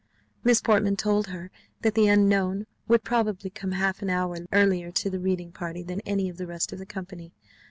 Miss Portman told her that the unknown would probably come half an hour earlier to the reading party than any of the rest of the company.